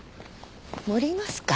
盛りますか？